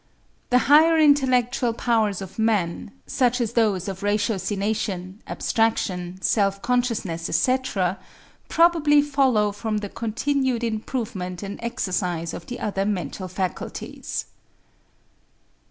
The higher intellectual powers of man, such as those of ratiocination, abstraction, self consciousness, etc., probably follow from the continued improvement and exercise of the other mental faculties.